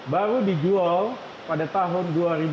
baru dijual pada tahun dua ribu lima dua ribu tujuh